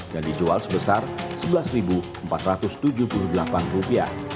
yang dijual sebesar rp sebelas empat ratus tujuh puluh delapan